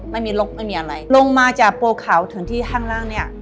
ไม่มีลกไม่มีอะไรลงมาจากโปรเขาถึงที่ห้างล่างเนี่ย